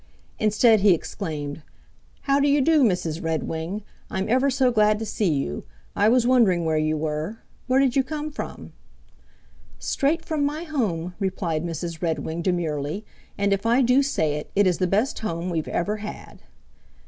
Instead, he exclaimed, "How do you do, Mrs. Redwing? I'm ever so glad to see you. I was wondering where you were. Where did you come from?" "Straight from my home," replied Mrs. Redwing demurely. "And if I do say it, it is the best home we've ever had."